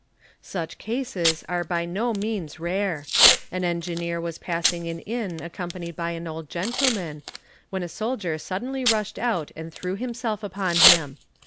Such cases are by no means rare. An engineer was passing an inn 'accompanied by an old gentleman, when a soldier suddenly rushed out 'i nd threw himself upon him.